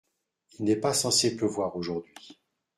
Il n’est pas censé pleuvoir aujourd’hui.